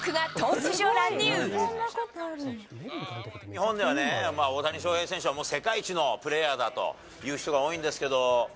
日本ではね、大谷翔平選手は、もう世界一のプレーヤーだという人が多いんです